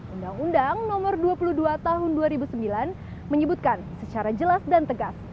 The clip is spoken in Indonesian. undang undang nomor dua puluh dua tahun dua ribu sembilan menyebutkan secara jelas dan tegas